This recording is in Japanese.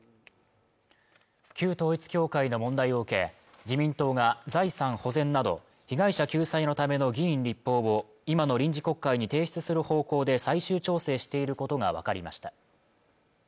旧統一教会の問題を受け自民党が財産保全など被害者救済のための議員立法を今の臨時国会に提出する方向で最終調整していることが分かりました